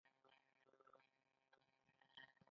د کتاب لوستلو کلتور باید په ځوانانو کې عام شي.